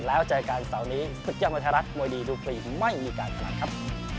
แล้วเจอกันเสาร์นี้สุธยมาธรรัฐมวยดีดูฟรีไม่มีการขนาดครับ